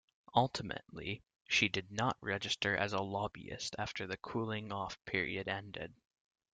Ultimately, she did not register as a lobbyist after the cooling off period ended.